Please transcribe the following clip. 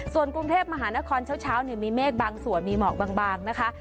ส่วนกรุงเทพมหานครเช้ามีเมฆบางส่วนมีหมอกบางนะคะ